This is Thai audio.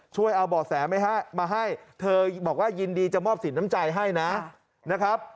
ช่วยเอาเบาะแสมาให้เธอบอกว่ายินดีจะมอบสิทธิ์น้ำใจให้นะนะครับ